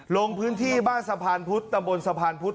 ลงพื้นที่บ้านสะพานพุทธตำบลสะพานพุธ